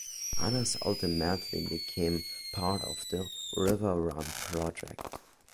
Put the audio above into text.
Others ultimately became part of the "Riverrun" Project.